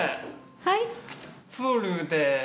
はい。